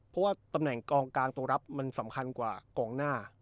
เพราะว่าตำแหน่งกองกลางตัวรับมันสำคัญกว่ากองหน้า